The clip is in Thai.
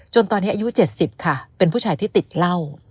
ตอนนี้อายุ๗๐ค่ะเป็นผู้ชายที่ติดเหล้า